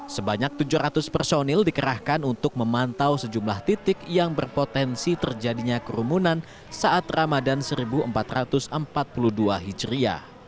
sebanyak tujuh ratus personil dikerahkan untuk memantau sejumlah titik yang berpotensi terjadinya kerumunan saat ramadan seribu empat ratus empat puluh dua hijriah